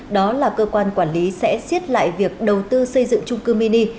đó là cơ quan quản lý sẽ xiết lại việc đầu tư xây dựng trung cư mini